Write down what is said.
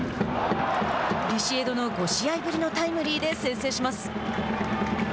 ビシエドの５試合ぶりのタイムリーで先制します。